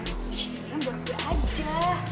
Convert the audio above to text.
gila buat gue aja